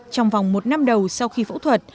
trong vòng một năm đầu sau khi phẫu thuật